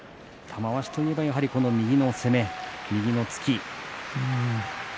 玉鷲といえばこの右の攻め右の突き。